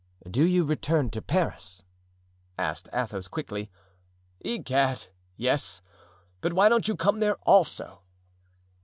"Do you return to Paris?" asked Athos, quickly. "Egad! yes; but why don't you come there also?"